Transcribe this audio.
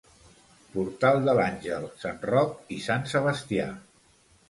Portal de l'Àngel, Sant Roc i Sant Sebastià.